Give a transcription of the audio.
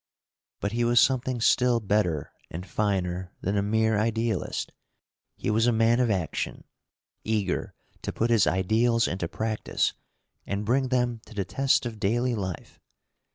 But he was something still better and finer than a mere idealist; he was a man of action, eager to put his ideals into practice and bring them to the test of daily life.